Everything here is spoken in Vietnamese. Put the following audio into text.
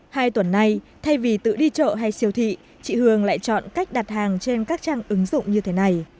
hai tuần nay thay vì tự đi chợ hay siêu thị chị hường lại chọn cách đặt hàng trên các trang ứng dụng như thế này